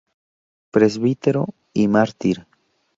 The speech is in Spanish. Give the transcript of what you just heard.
Presbítero y mártir.